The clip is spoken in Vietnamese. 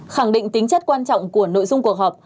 khẳng định tính chất quan trọng của nội dung cuộc họp